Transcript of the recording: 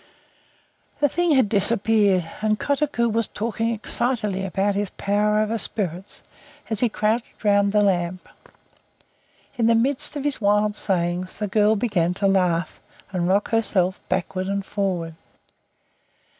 The Thing had disappeared, and Kotuko was talking excitedly about his power over spirits as he crouched round the lamp. In the middle of his wild sayings the girl began to laugh, and rock herself backward and forward.